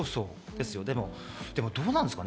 でもどうなんですかね？